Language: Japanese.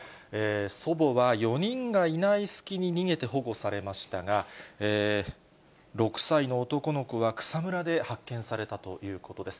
祖母は４人がいない隙に逃げて保護されましたが、６歳の男の子が草むらで発見されたということです。